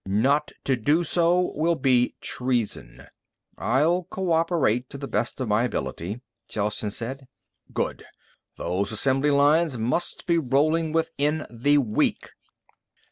"Not to do so will be treason." "I'll cooperate to the best of my ability," Gelsen said. "Good. Those assembly lines must be rolling within the week."